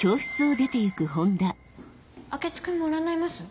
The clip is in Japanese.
明智君も占います？